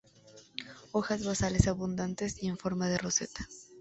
Hojas basales abundantes y en forma de roseta.